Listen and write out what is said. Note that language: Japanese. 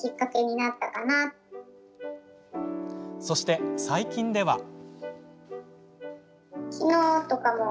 そして、最近では。